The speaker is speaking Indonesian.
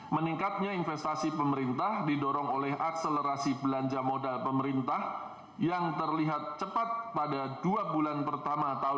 meningkatnya investasi pemerintah didorong oleh akselerasi belanja modal pemerintah yang terlihat cepat pada dua bulan pertama tahun dua ribu dua puluh